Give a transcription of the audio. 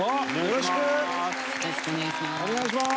よろしくお願いします。